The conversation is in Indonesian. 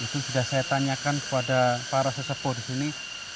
itu sudah saya tanyakan kepada para sesepuh disini